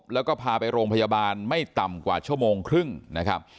แล้วก็พาไปโรงพยาบาลไม่ต่ำกว่าชั่วโมงครึ่งนะครับ